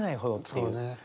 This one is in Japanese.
そうね。